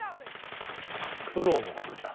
九郎のことじゃ。